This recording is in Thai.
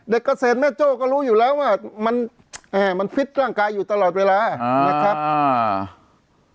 เด็กเกษตรแม่โจก็รู้อยู่แล้วว่ามันฟิตร่างกายอยู่ตลอดเวลานะครับ